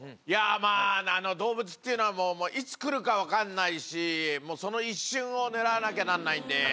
いやまぁ動物っていうのはもういつ来るか分かんないしその一瞬を狙わなきゃなんないんで。